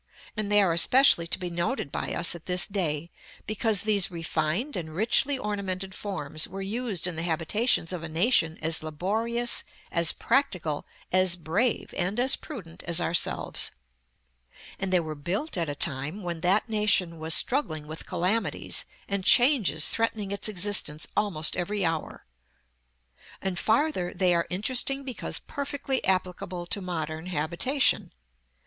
And they are especially to be noted by us at this day, because these refined and richly ornamented forms were used in the habitations of a nation as laborious, as practical, as brave, and as prudent as ourselves; and they were built at a time when that nation was struggling with calamities and changes threatening its existence almost every hour. And, farther, they are interesting because perfectly applicable to modern habitation.